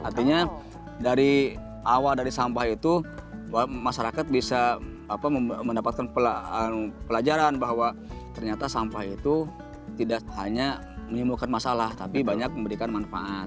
artinya dari awal dari sampah itu masyarakat bisa mendapatkan pelajaran bahwa ternyata sampah itu tidak hanya menimbulkan masalah tapi banyak memberikan manfaat